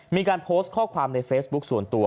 มีการโพสต์ข้อความในเฟซบุ๊คส่วนตัว